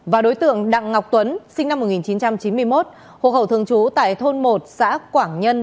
và đối tượng đặng ngọc tuấn sinh năm một nghìn chín trăm chín mươi một hộ khẩu thường trú tại thôn một xã quảng nhân